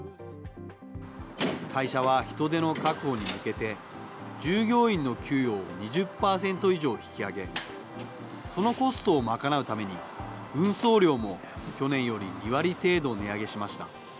会社は人手の確保に向けて、従業員の給与を２０％以上引き上げ、そのコストを賄うために、運送料も去年より２割程度値上げしました。